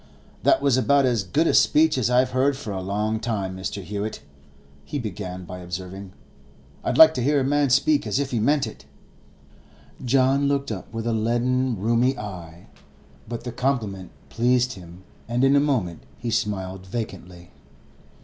'That was about as good a speech as I've heard for a long time, Mr. Hewett,' he began by observing. 'I like to hear a man speak as if he meant it.' John looked up with a leaden, rheumy eye, but the compliment pleased him, and in a moment he smiled vacantly.